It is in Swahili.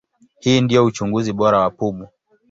Hii ndio uchunguzi bora wa pumu.